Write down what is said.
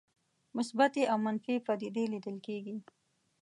مثبتې او منفي پدیدې لیدل کېږي.